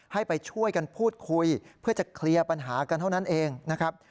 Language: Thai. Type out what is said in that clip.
ให้ไปช่วยกันพูดคุยเพื่อจะเคลียร์ปัญหากันเท่านั้นเองนะครับ